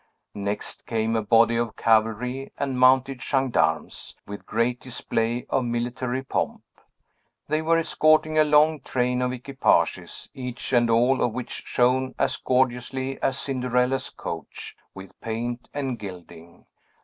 Next came a body of cavalry and mounted gendarmes, with great display of military pomp. They were escorting a long train of equipages, each and all of which shone as gorgeously as Cinderella's coach, with paint and gilding.